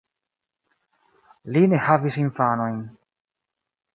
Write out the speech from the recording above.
Li ne havis infanojn.